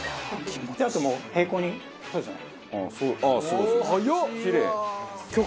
あともう平行にそうですね。